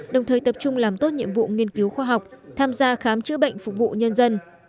đồng thời tập trung làm tốt nhiệm vụ nghiên cứu khoa học tham gia khám chữa bệnh phục vụ nhân dân